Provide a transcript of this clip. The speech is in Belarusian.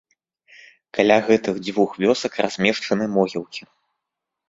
Каля гэтых дзвюх вёсак размешчаны могілкі.